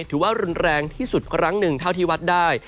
ถือว่ารุนแรงที่สุดครั้งหนึ่งเท่าที่วัดได้